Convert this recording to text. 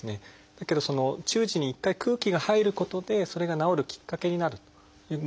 だけどその中耳に一回空気が入ることでそれが治るきっかけになるという場合があります。